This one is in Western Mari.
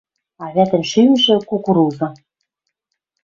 А вӓтӹн шӱмжӹ — кукуруза.